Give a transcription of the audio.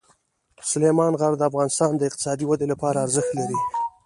سلیمان غر د افغانستان د اقتصادي ودې لپاره ارزښت لري.